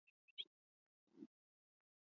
他们计划放火烧他的宫室。